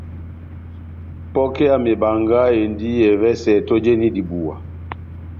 Pokɛ ya mebanga endi evɛsɛ tɔjeni dibuwa.